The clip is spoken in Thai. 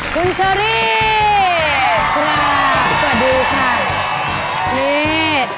คุณเชอรี่สวัสดีค่ะ